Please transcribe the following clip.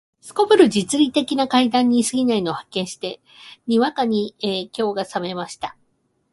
頗る実利的な階段に過ぎないのを発見して、にわかに興が覚めました